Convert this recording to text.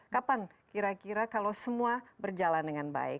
kapan kira kira kalau semua berjalan dengan baik